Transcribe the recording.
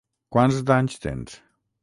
Quants d'anys tens?